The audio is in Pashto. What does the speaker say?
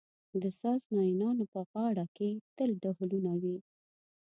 د ساز مېنانو په غاړه کې تل ډهلونه وي.